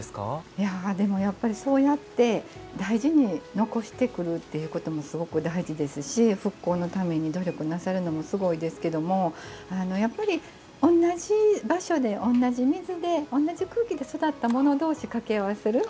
いやでもやっぱりそうやって大事に残してくるっていうこともすごく大事ですし復興のために努力なさるのもすごいですけどもやっぱり同じ場所で同じ水で同じ空気で育ったもの同士掛け合わせる。